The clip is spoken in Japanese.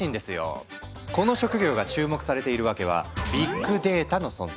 この職業が注目されているわけはビッグデータの存在。